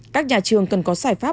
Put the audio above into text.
các nhà trường cần có sải pháp